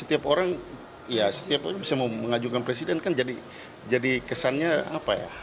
setiap orang bisa mengajukan presiden kan jadi kesannya apa ya